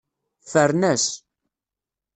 Ffren-as.